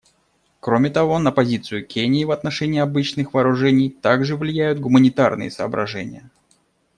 Кроме того, на позицию Кении в отношении обычных вооружений также влияют гуманитарные соображения.